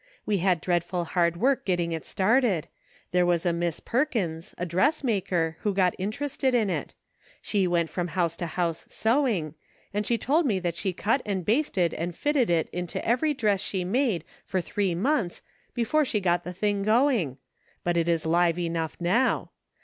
We had dreadful hard work getting it started ; there was a Miss Perkins, a dressmaker, who got interested in it ; she went from house to house sewing, and she told me that she cut and basted and fitted it into every dress she made for three months before she got the thing going, but it is live enough now.